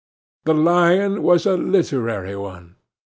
The lion was a literary one.